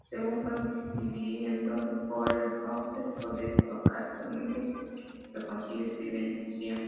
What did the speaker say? Según fue envejeciendo, Gore-Booth dejó de trabajar activamente, pero continuó escribiendo poesía.